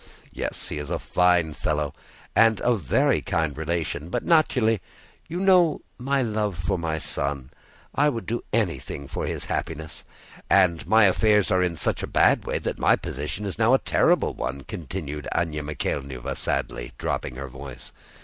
Yes, he is a fine fellow and a very kind relation. But, Nataly, you know my love for my son: I would do anything for his happiness! And my affairs are in such a bad way that my position is now a terrible one," continued Anna Mikháylovna, sadly, dropping her voice.